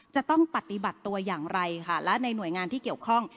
จะต้องปฏิบัติตัวอย่างไรค่ะและในหน่วยงานที่เกี่ยวข้อง